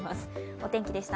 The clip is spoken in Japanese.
お天気でした。